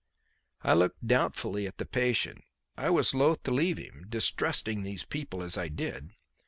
I looked doubtfully at the patient. I was loath to leave him, distrusting these people as I did.